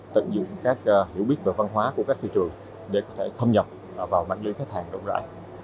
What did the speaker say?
tận dụng các hiểu biết và văn hóa của các thị trường để có thể thâm nhập vào mạng lĩnh khách hàng rộng rãi